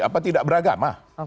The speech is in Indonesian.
apa tidak beragama